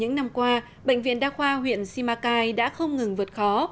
những năm qua bệnh viện đa khoa huyện simacai đã không ngừng vượt khó